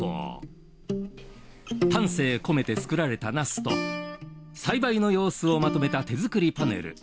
丹精込めて作られたナスと栽培の様子をまとめた手作りパネル。